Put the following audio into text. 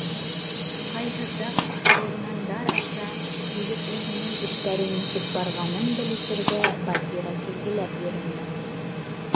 Ҡайһы саҡ ҡарурмандар аша һөйөклөһөнөң эштәре нисек барғанын белешергә Багира килгеләп йөрөнө.